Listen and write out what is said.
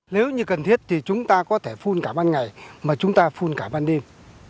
nếu như cần thiết thì chúng ta có thể phun cả ban ngày mà chúng ta phun cả ban đêm